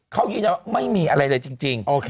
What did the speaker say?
เขายืนยันว่าไม่มีอะไรเลยจริง